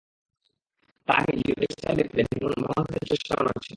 তার আগেই geo textile bag ফেলে ভাঙন রোধের চেষ্টা চালানো হচ্ছে।